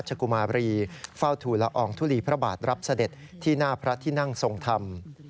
กุมาบรีเฝ้าทูลละอองทุลีพระบาทรับเสด็จที่หน้าพระที่นั่งทรงธรรม